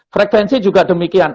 frekuensi juga demikian